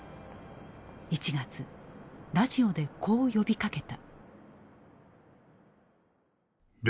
１月ラジオでこう呼びかけた。